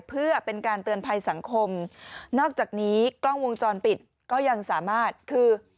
เพื่อเป็นการเตือนภัยสังคมนอกจากนี้กล้องวงจรปิดก็ยังสามารถคือ